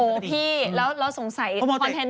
โอ้ยพี่แล้วเราสงสัยคอนเทนเนอร์